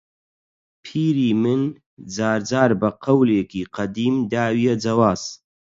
پیری من جار جار بە قەولێکی قەدیم داویە جەواز